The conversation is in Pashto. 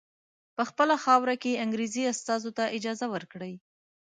په خپله خاوره کې انګریزي استازو ته اجازه ورکړي.